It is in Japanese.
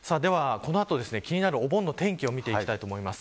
この後、気になるお盆の天気を見ていきます。